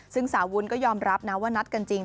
ซึ่งสาววุ้นก็ยอมรับนะว่านัดกันจริง